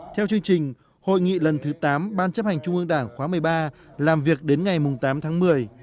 theo chương trình hội nghị lần thứ tám ban chấp hành trung ương đảng khóa một mươi ba làm việc đến ngày tám tháng một mươi